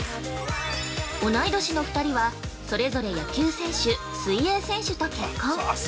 同い年の２人は、それぞれ野球選手・水泳選手と結婚。